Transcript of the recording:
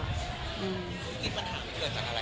คุณคิดว่าถามเกิดจากอะไร